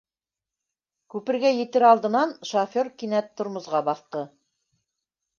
Күпергә етер алдынан шофер кинәт тормозға баҫты.